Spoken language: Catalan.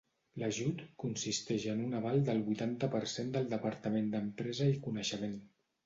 L'ajut consisteix en un aval del vuitanta per cent del Departament d'Empresa i Coneixement.